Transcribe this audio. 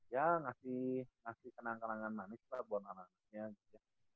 ya ngasih kenang kenangan manis lah buat anak anaknya gitu